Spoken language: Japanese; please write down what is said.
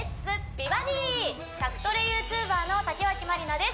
美バディ」宅トレＹｏｕＴｕｂｅｒの竹脇まりなです